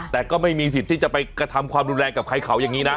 แต่ก็ไม่มีสิทธิ์ที่จะไปกระทำความรุนแรงกับใครเขาอย่างนี้นะ